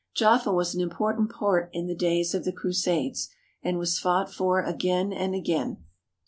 Jaffa was an important port in the days of the Crusades, and was fought for again and again.